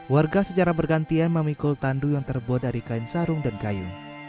warga secara bergantian memikul tandu yang terbuat dari kain sarung dan kayu